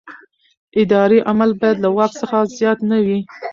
اداري عمل باید له واک څخه زیات نه وي.